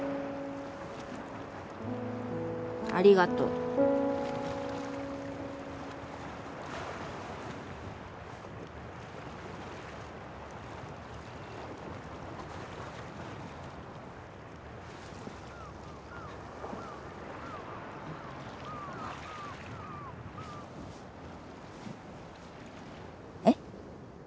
ありがとう。えっ？